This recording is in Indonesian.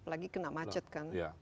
lagi kena macet kan